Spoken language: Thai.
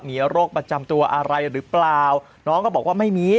มีโรคประจำตัวอะไรหรือเปล่าน้องก็บอกว่าไม่มี